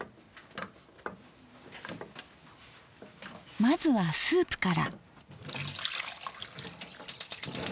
まずはスープから。